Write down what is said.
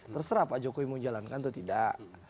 terserah pak jokowi mau jalankan atau tidak